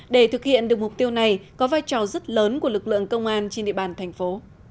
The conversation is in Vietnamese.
để thực hiện được mục tiêu này có vai trò rất lớn của lực lượng công an trên địa bàn thành phố